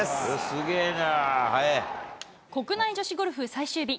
国内女子ゴルフ最終日。